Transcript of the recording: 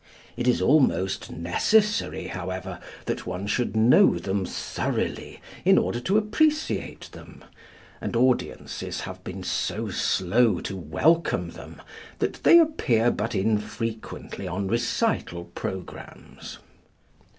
It is almost necessary, however, that one should know them thoroughly in order to appreciate them, and audiences have been so slow to welcome them that they appear but infrequently on recital programs.